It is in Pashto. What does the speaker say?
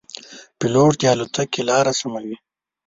پیلوټ د الوتکې لاره سموي.